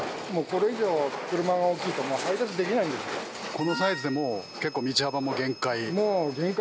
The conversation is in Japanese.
このサイズでも結構道幅も限界？